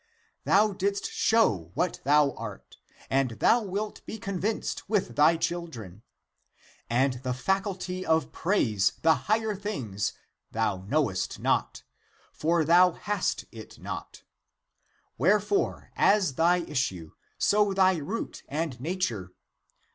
Thou didst show what thou art, and thou wilt be convinced with thy children. And the fac 174 THE APOCRYPHAL ACTS ulty of praise the higher things, thou knowest not; for thou hast it not. Wherefore as thy issue, so thy root and nature.